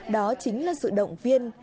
đó chính là sự động viên